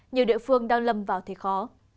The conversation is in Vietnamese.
nhiều địa phương đang lầm vào thế khó